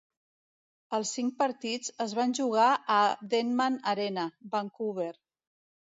Els cinc partits es van jugar a Denman Arena, Vancouver.